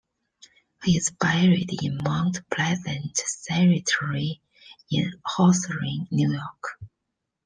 He is buried in Mount Pleasant Cemetery in Hawthorne, New York.